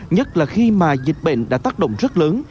nhất là khi mà dịch bệnh đã tác động rất lớn